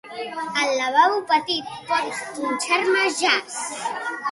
Al lavabo petit pots punxar-me jazz?